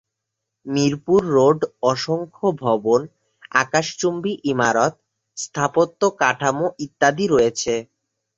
Mirpur road অসংখ্য ভবন, আকাশচুম্বী ইমারত, স্থাপত্য কাঠামো ইত্যাদি রয়েছে।